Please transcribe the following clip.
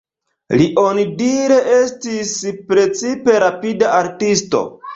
Li onidire estis precipe rapida artisto.